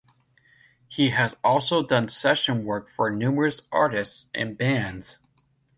He has also done session work for numerous artists and bands.